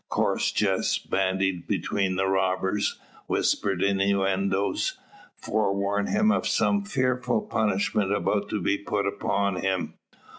Coarse jests bandied between the robbers, whispered innuendoes, forewarn him of some fearful punishment about to be put upon him.